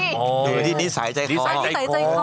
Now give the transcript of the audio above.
ดูในที่นิสัยใจคอ